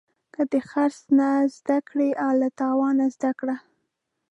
که د خرڅ نه زده کړې، له تاوانه زده کړه.